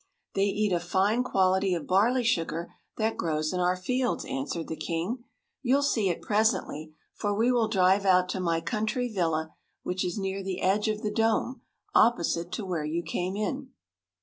"They eat a fine quality of barley sugar that grows in our fields," answered the king. "You'll see it presently, for we will drive out to my country villa, which is near the edge of the dome, opposite to where you came in."